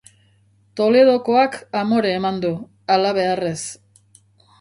Toledokoak amore eman du, halabeharrez.